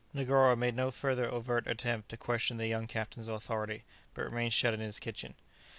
Negoro made no further overt attempt to question the young captain's authority, but remained shut up in his kitchen.